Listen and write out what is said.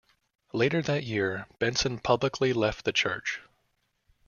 Later that year, Benson publicly left the church.